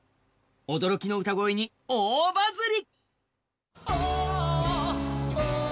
驚きの歌声に大バズり。